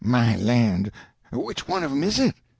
"My land! Which one of 'em is it?"